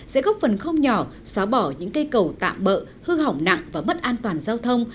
sẽ góp phần không nhỏ xóa bỏ những cây cầu tạm bỡ hư hỏng nặng và mất an toàn giao thông